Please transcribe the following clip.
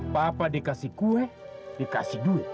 papa dikasih kue dikasih duit